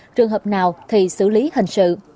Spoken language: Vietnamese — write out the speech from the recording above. trường hợp nào thì xử lý hành sự